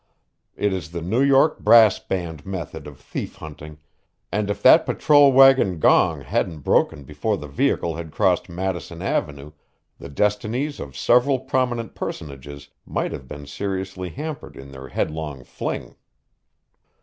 It is the New York brass band method of thief hunting and if that patrol wagon gong hadn't broken before the vehicle had crossed Madison avenue the destinies of several prominent personages might have been seriously hampered in their headlong fling.